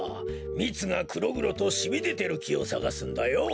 みつがくろぐろとしみでてるきをさがすんだよ。